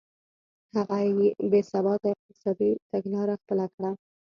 هغه بې ثباته اقتصادي تګلاره خپله کړه.